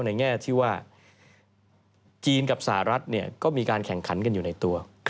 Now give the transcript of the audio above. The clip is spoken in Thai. แง่ที่ว่าจีนกับสหรัฐก็มีการแข่งขันกันอยู่ในตัว